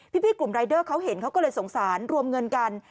พี่กลุ่มรายเดอร์เขาเห็นเขาก็เลยสงสารรวมเงินกัน